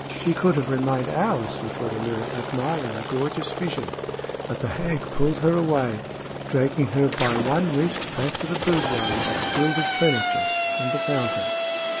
She could have remained hours before the mirror admiring the gorgeous vision; but the hag pulled her away, dragging her by one wrist back to the boudoir, with its gilded furniture and the fountain.